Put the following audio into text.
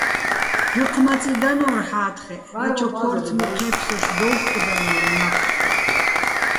დუჴ მაწი დანო́რ ჰ̦ა́თხეჸ, დაჩო ქო́რთმი ჴე́ფსოშ დო́უ̆ხკდანო́რ ნახ.